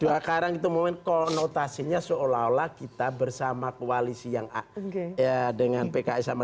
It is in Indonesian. dua karang itu momen konotasinya seolah olah kita bersama koalisi yang a ya dengan pks sama